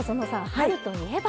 春といえば？